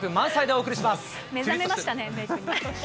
目覚めましたね。